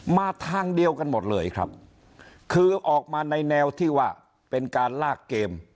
มาทางเดียวกันหมดเลยครับคือออกมาในแนวที่ว่าเป็นการลากเกม